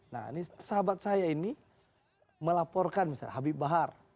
nah ini sahabat saya ini melaporkan misalnya habib bahar